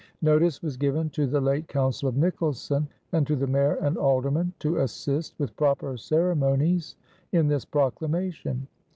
Notice was given to the late Council of Nicholson, and to the Mayor and Aldermen to assist, with proper ceremonies, in this Proclamation.